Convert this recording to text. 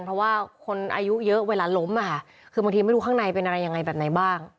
เพราะว่าคนอายุเยอะเวลาล้มอ่ะคือบางทีไม่ดูข้างในเป็นอะไรบ้าง